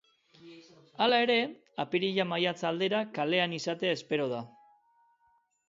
Hala ere, apirila-maiatza aldera kalean izatea espero da.